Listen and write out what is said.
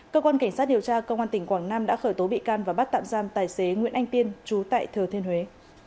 cơ quan cảnh sát điều tra công an tỉnh quảng nam đã khởi tố bị can và bắt tạm giam tài xế nguyễn anh tiên chú tại thừa thiên huế